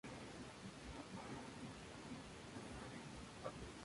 Por su parte, Everett Colby había sido llamado así por el político Edward Everett.